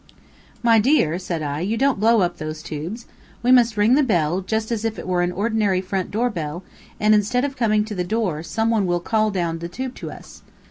"My dear," said I, "you don't blow up those tubes. We must ring the bell, just as if it were an ordinary front door bell, and instead of coming to the door, some one will call down the tube to us."